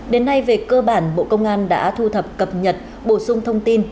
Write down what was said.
đến nay về cơ bản bộ công an đã thu thập cập nhật bổ sung thông tin